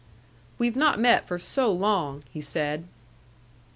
"We've not met for so long," he said.